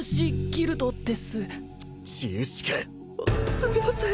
すみません